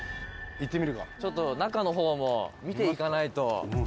「ちょっと中の方も見ていかないと」